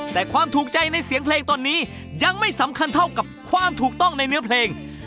แต่ความถูกใจในเสียงเพลงตอนนี้ยังไม่สำคัญเท่ากับความถูกต้องในเนื้อเพลง